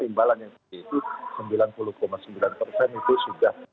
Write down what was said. imbalan yang tinggi itu sembilan puluh sembilan itu sudah